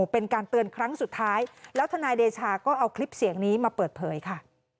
เป็นการเตือนครั้งสุดท้ายแล้วทนายเดชาก็เอาคลิปเสียงนี้มาเปิดเผยค่ะ